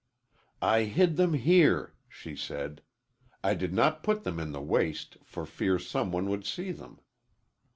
"I hid them here," she said. "I did not put them in the waste, for fear some one would see them."